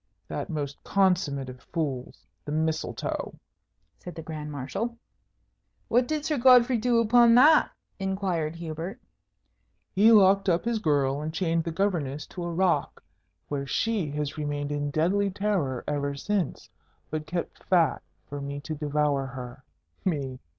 "That most consummate of fools, the Mistletoe," said the Grand Marshal. "What did Sir Godfrey do upon that?" inquired Hubert. "He locked up his girl and chained the Governess to a rock, where she has remained in deadly terror ever since, but kept fat for me to devour her. Me!"